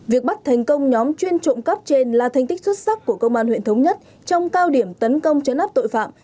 việc bắt thành công nhóm chuyên trộm cắp trên là thành tích xuất sắc của công an huyện thống nhất trong cao điểm tấn công chấn áp tội phạm